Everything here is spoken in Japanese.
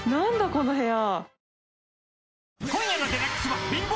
この部屋。